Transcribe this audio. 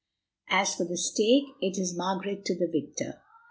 As for the stake, it is Margaret to the victor.